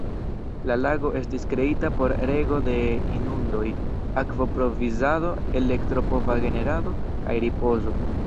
La lago estis kreita por rego de inundoj, akvo-provizado, elektro-pova generado, kaj ripozo.